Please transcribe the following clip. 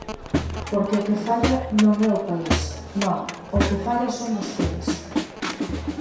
Porque o que falla non é o país, non, o que falla son vostedes.